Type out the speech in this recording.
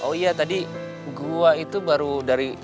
oh iya tadi gua itu baru dari